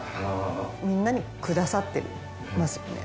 みんなにくださってますよね。